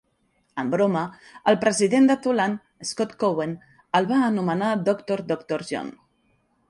En broma, el president de Tulane, Scott Cowen, el va anomenar "Doctor Doctor John".